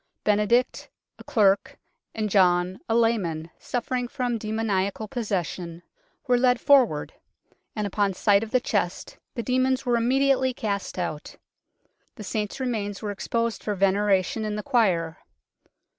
Benedict, a clerk, and John, a layman, suffering from demoniacal possession, were led forward, and upon sight of the chest the demons were immediately cast out. The Saint's remains were exposed for veneration in the choir.